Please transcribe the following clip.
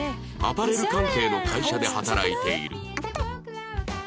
アパレル関係の会社で働いている